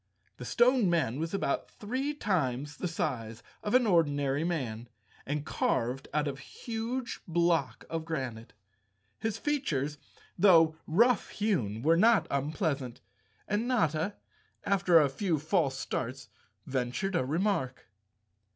The Stone Man was 221 The Cowardly Lion of Oz _ about three times the size of an ordinary man and carved out of a huge block of granite. His features, though rough hewn, were not unpleasant and Notta, after a few false starts, ventured a remark.